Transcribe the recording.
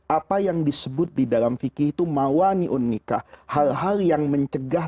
apa yang disebut di dalam fikih itu mawani un nikah hal hal yang mencegah